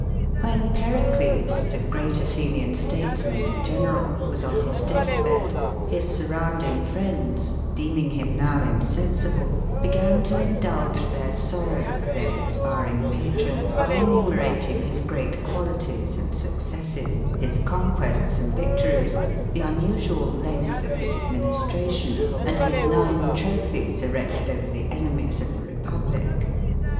When Pericles, the great Athenian statesman and general, was on his death bed, his surrounding friends, deeming him now insensible, began to indulge their sorrow for their expiring patron, by enumerating his great qualities and successes, his conquests and victories, the unusual length of his administration, and his nine trophies erected over the enemies of the republic.